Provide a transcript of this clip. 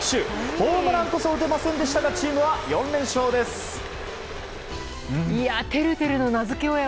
ホームランこそ出ませんでしたがテルテルの名付け親